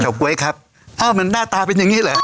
ก๊วยครับอ้าวมันหน้าตาเป็นอย่างงี้เหรอ